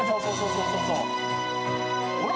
そうそう